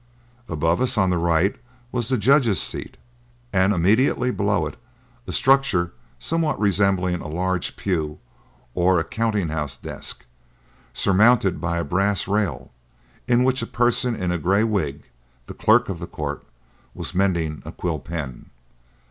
Above us on the right was the judge's seat, and immediately below it a structure somewhat resembling a large pew or a counting house desk, surmounted by a brass rail, in which a person in a grey wig the clerk of the court was mending a quill pen.